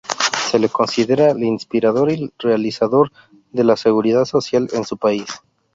Se le considera el inspirador y realizador de la seguridad social en su país.